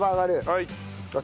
はい。